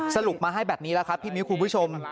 สรุปมาให้แบบนี้แล้วครับพี่มิ้วคุณผู้ชม